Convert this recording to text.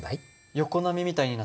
横波みたいになった。